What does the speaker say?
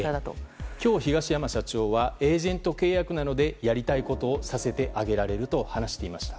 今日、東山社長はエージェント契約なのでやりたいことをさせてあげられると話していました。